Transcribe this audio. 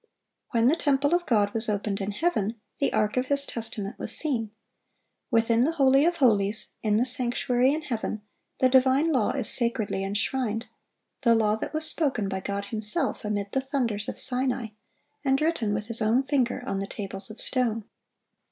When the temple of God was opened in heaven, the ark of His testament was seen. Within the holy of holies, in the sanctuary in heaven, the divine law is sacredly enshrined,—the law that was spoken by God Himself amid the thunders of Sinai, and written with His own finger on the tables of stone.